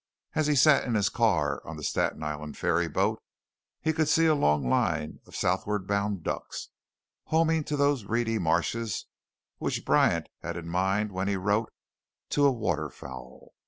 As he sat in his car on the Staten Island ferry boat, he could see a long line of southward bound ducks, homing to those reedy marshes which Bryant had in mind when he wrote "To a Waterfowl."